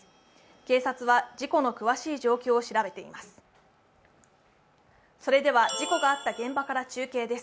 警察は事故の詳しい状況を調べています。